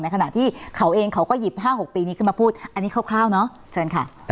ขณะที่เขาเองเขาก็หยิบ๕๖ปีนี้ขึ้นมาพูดอันนี้คร่าวเนอะเชิญค่ะ